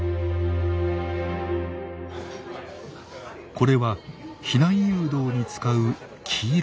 これは避難誘導に使う黄色い旗。